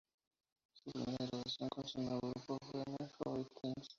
Su primera grabación con su nuevo grupo fue "My Favorite Things".